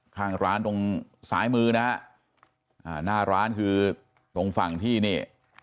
ข้างร้านตรงซ้ายมือนะฮะอ่าหน้าร้านคือตรงฝั่งที่นี่